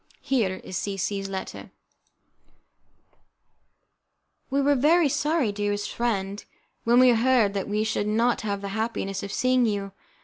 Here is C C 's letter" "We were very sorry, dearest friend, when we heard that we should not have the happiness of seeing you.